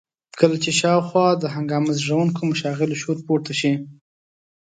کله چې شاوخوا د هنګامه زېږوونکو مشاغلو شور پورته شي.